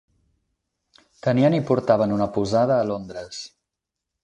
Tenien i portaven una posada a Londres.